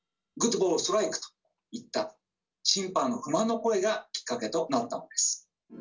「グッドボールストライク！」と言った審判の不満の声がきっかけとなったのです。